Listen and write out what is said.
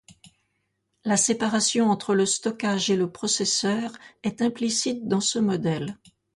La séparation entre le stockage et le processeur est implicite dans ce modèle.